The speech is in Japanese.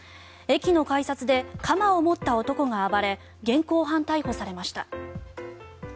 駅の改札で鎌を持った男が暴れ現行犯逮捕されました。